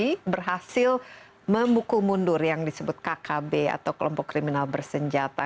ini berhasil memukul mundur yang disebut kkb atau kelompok kriminal bersenjata